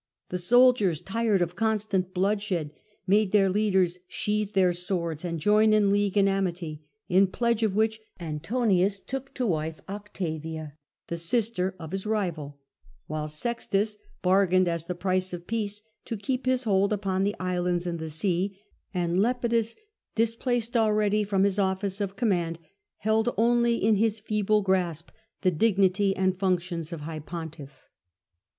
The soldiers, tired of constant bloodshed, made their leaders sheath their swords and join in league and amity, in pledge of which Antonius took to wife Octavia, the sister of his rival, while Sextus bargained as the price of peace to keep his hold upon the islands and the sea, and Lepi dus, displaced already from his office of command, held only in his feeble grasp the dignity and functions of High Pontiff.